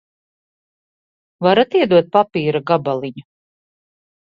Varat iedot papīra gabaliņu?